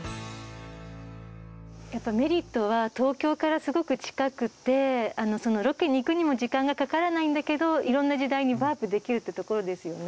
やっぱメリットは東京からすごく近くてロケに行くにも時間がかからないんだけどいろんな時代にワープできるっていうところですよね